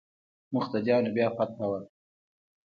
مقتديانو بيا فتحه ورکړه.